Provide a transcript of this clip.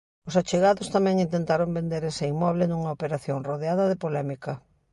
Os achegados tamén intentaron vender ese inmoble nunha operación rodeada de polémica.